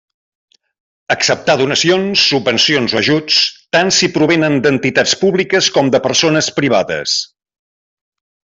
Acceptar donacions, subvencions o ajuts, tant si provenen d'entitats públiques com de persones privades.